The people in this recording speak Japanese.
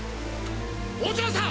お嬢さん！